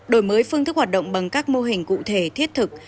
đổi mới phương thức hoạt động bằng các mô hình cụ thể thiết thực